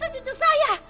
dia itu cucu saya